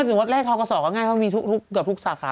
ไม่ถึงว่าแรกท้องกระสอร์ก็ง่ายเพราะมีเกือบทุกสาขา